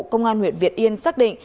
công an huyện việt yên xác định